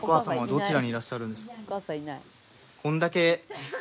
どちらにいらっしゃるんですか？